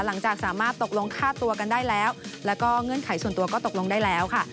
หลังจากสามารถตกลงค่าตัวกันได้แล้วแล้วก็เงื่อนไขส่วนตัวก็ตกลงได้แล้วค่ะ